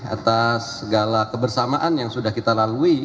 atas segala kebersamaan yang sudah kita lalui